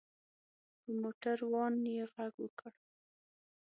په موټر وان یې غږ وکړ.